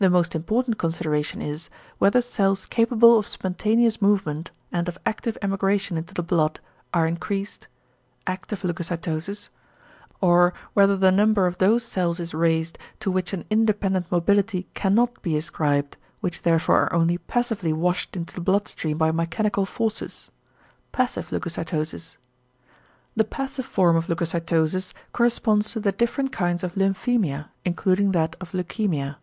The most important consideration is, whether cells capable of spontaneous movement, and of active emigration into the blood, are increased ("~active leucocytosis~"); or whether the number of those cells is raised, to which an independent mobility cannot be ascribed, which therefore are only passively washed into the blood stream by mechanical forces ("~passive leucocytosis~"). The passive form of =leucocytosis= corresponds to the different kinds of lymphæmia, including that of leukæmia.